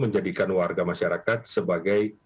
menjadikan warga masyarakat sebagai